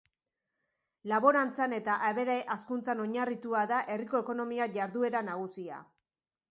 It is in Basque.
Laborantzan eta abere hazkuntzan oinarritua da herriko ekonomia jarduera nagusia.